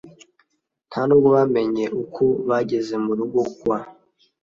ntanubwo bamenye uko bageze murugo kwa